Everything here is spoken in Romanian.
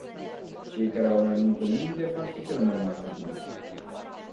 Cei care au mai multă minte fac și cele mai mari nebunii.